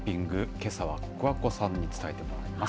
けさは桑子さんに伝えてもらいます。